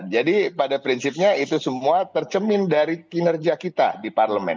jadi pada prinsipnya itu semua tercemin dari kinerja kita di parlemen